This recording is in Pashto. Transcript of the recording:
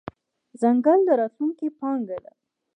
ځنګل د راتلونکې پانګه ده.